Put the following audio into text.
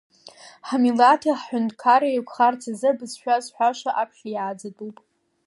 Ҳмилаҭи ҳҳәынҭқарреи еиқәхарц азы абызшәа зҳәаша аԥхьа иааӡатәуп.